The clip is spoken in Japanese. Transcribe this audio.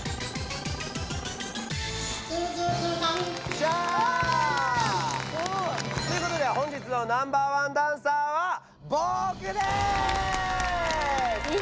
しゃ！ということで本日のナンバーワンダンサーはボクです！